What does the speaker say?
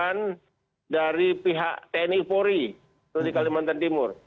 dan juga dari pihak tni pori di kalimantan timur